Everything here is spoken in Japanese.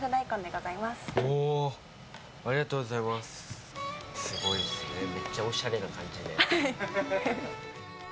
すごいですねめっちゃおしゃれな感じで。